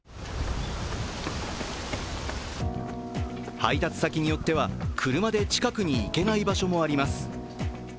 配達先によっては車で近くに行けない場所もあります。